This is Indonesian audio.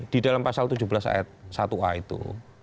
di dalam pasal tujuh belas ayat satu a itu